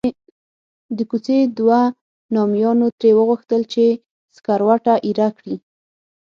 د کوڅې دوو نامیانو ترې وغوښتل چې سکروټه ایره کړي.